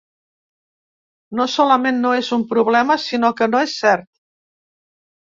No solament no és un problema, sinó que no és cert.